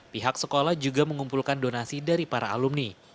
pihak sekolah juga mengumpulkan donasi dari para alumni